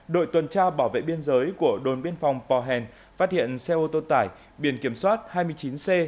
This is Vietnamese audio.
đội tuần tra bảo vệ biên giới của đồn biên phòng pohen phát hiện xe ô tô tải biển kiểm soát hai mươi chín c năm mươi sáu nghìn ba mươi bảy